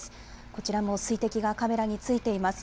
こちらも水滴がカメラについています。